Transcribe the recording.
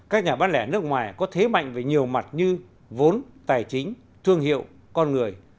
các nhà bán lẻ nước ngoài có thế mạnh về nhiều mặt như vốn tài chính thương hiệu con người